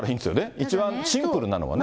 一番シンプルなのはね。